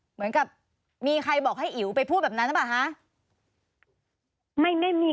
เหมือนกับมีใครบอกให้อิ๋วไปพูดแบบนั้นนะครับคะ